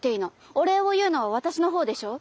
お礼を言うのは私の方でしょう。